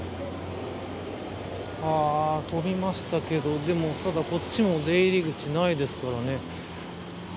飛びましたけどでも、ただこっちも出入り口ないですからね。